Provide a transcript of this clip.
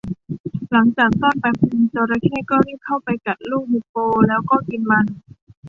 หลังจากซ่อนแป๊บนึง จระเข้ก็รีบเข้าไปกัดลูกฮิปโปแล้วก็กินมัน